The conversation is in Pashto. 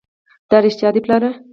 دا رښتيا دي پلاره!